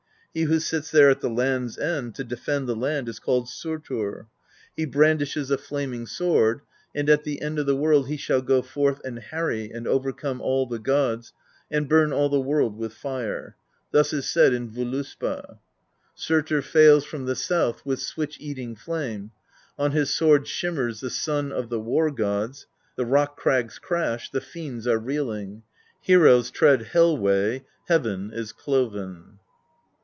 He who sits there at the land's end, to defend the land, is called Surtr; he brandishes a flaming THE BEGUILING OF GYLFI 17 sword, and at the end of the world he shall go forth and harry, and overcome all the gods, and burn all the world with fire; thus is said in Voluspd: Surtr fares from the south with switch eating flame, — On his sword shimmers the sun of the War Gods; The rock crags crash; the fiends are reeling; Heroes tread Hel way; Heaven is cloven."